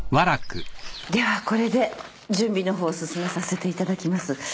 ではこれで準備の方進めさせていただきます。